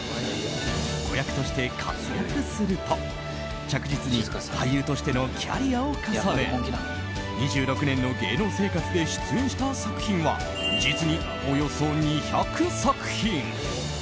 子役として活躍すると着実に俳優としてのキャリアを重ね２６年の芸能生活で出演した作品は実におよそ２００作品。